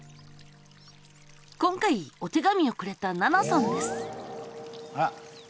今回お手紙をくれたななさんです。